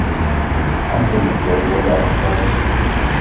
Andere methoden worden al gebruikt.